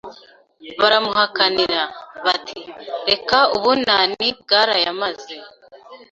baramuhakanira, bati Reka ubunani bwarayamaze.